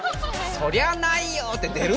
「そりゃないよ」って出る？